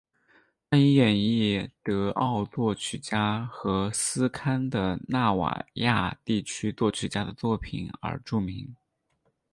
他以演绎德奥作曲家和斯堪的纳维亚地区作曲家的作品而著名。